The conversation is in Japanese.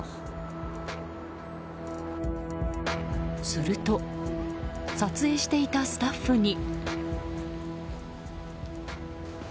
すると撮影していたスタッフに。